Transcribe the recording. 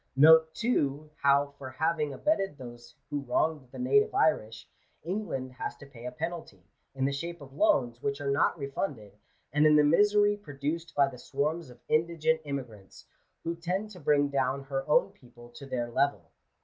Note, too, how for having abetted those who wronged the native Irish, England has to pay a penalty, in the shape of loans which are not refunded, and in the misery produced by the swarms of indigent immigrants, who tend to bring down her own people to their level.